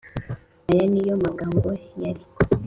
Aya ni yo magambo yari